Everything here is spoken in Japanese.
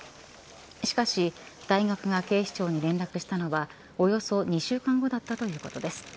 しかし大学が警視庁に連絡したのはおよそ２週間後だったということです。